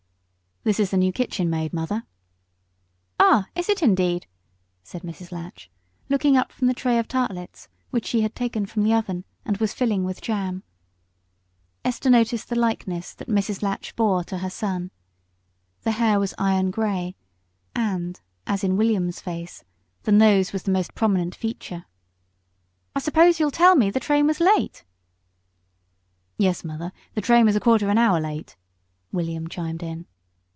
"This is the new kitchen maid, mother." "Ah, is it indeed?" said Mrs. Latch looking up from the tray of tartlets which she had taken from the oven and was filling with jam. Esther noticed the likeness that Mrs. Latch bore to her son. The hair was iron grey, and, as in William's face, the nose was the most prominent feature. "I suppose you'll tell me the train was late?" "Yes, mother, the train was a quarter of an hour late," William chimed in.